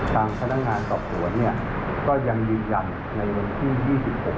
ทางพนักงานต่อส่วนก็ยังยืนยันในวงที่๒๖